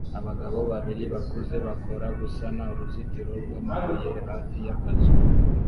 Abagabo babiri bakuze bakora gusana uruzitiro rwamabuye hafi y'akazu